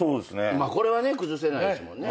これはね崩せないですもんね。